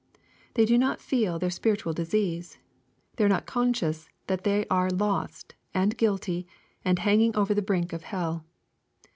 They do not feel their spiritual disease. They are not conscious that they are lost, and guilty, and hanging over the brink of hell.